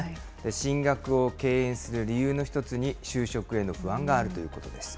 進学を敬遠する理由の１つに就職への不安があるということです。